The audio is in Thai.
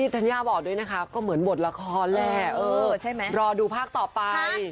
ต้องก็บอกแบบนี้นะคะ